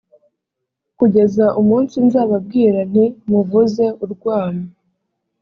kugeza umunsi nzababwira nti ’muvuze urwamo!’;